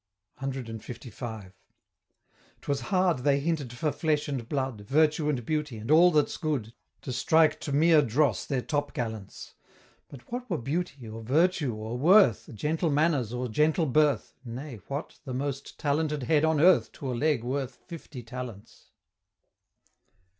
CLV. 'Twas hard they hinted for flesh and blood, Virtue and Beauty, and all that's good, To strike to mere dross their topgallants But what were Beauty, or Virtue, or Worth, Gentle manners, or gentle birth, Nay, what the most talented head on earth To a Leg worth fifty Talents!